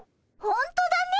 ほんとだね。